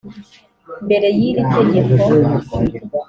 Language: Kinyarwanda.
mbere y iri tegeko